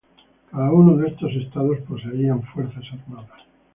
Cada uno de estos estados poseían fuerzas armadas.